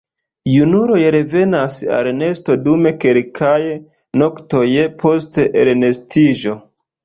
Junuloj revenas al nesto dum kelkaj noktoj post elnestiĝo.